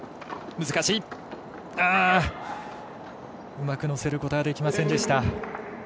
うまく乗せることができませんでした。